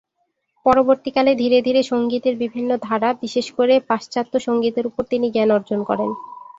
পরবর্তীকালে ধীরে-ধীরে সঙ্গীতের বিভিন্ন ধারা, বিশেষ করে পাশ্চাত্য সঙ্গীতের উপর তিনি জ্ঞান অর্জন করেন।